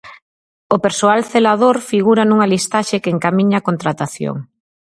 O persoal celador figura nunha listaxe que encamiña a contratación.